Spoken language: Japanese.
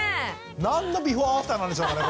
何のビフォーアフターなんでしょうかね